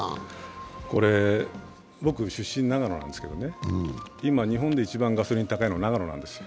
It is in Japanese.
これ、僕、出身、長野なんですけど今、日本で一番ガソリン高いの長野なんです。